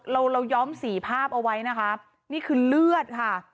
เราเราย้อมสีภาพเอาไว้นะคะนี่คือเลือดค่ะ